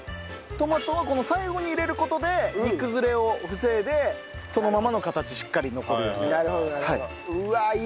トマトは最後に入れる事で煮崩れを防いでそのままの形しっかり残るようになるそうです。